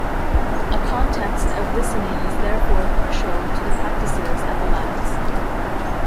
A context of listening is therefore crucial to the practices at the labs.